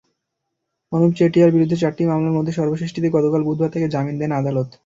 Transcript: অনুপ চেটিয়ার বিরুদ্ধে চারটি মামলার মধ্যে সর্বশেষটিতে গতকাল বুধবার তাঁকে জামিন দেন আদালত।